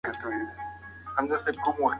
که هو نو لاس راکړئ.